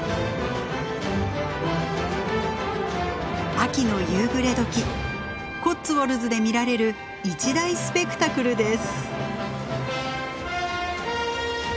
秋の夕暮れ時コッツウォルズで見られる一大スペクタクルです。